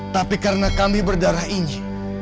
tapi karena kami berdarah inci